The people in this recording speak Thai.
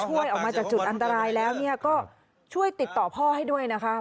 ช่วยออกมาจากจุดอันตรายแล้วก็ช่วยติดต่อพ่อให้ด้วยนะคะ